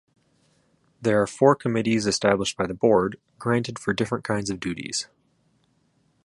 There are four committees established by the Board, granted for different kinds of duties.